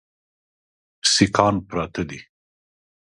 سیکهان پراته دي.